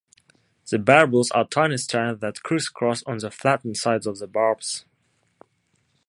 The barbules are tiny strands that criss-cross on the flattened sides of the barbs.